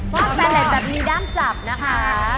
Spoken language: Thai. ว่าสแปลล์แบบนี้ด้านจับนะคะ